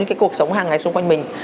như cái cuộc sống hàng ngày xung quanh mình